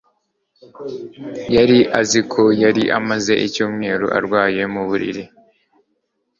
Yari azi ko yari amaze icyumweru arwaye mu buriri.